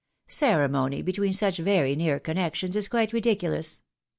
Ceremony between such very near connections is quite ridicu lous.